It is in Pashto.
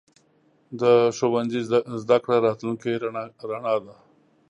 د ښوونځي زده کړه راتلونکې رڼا ده.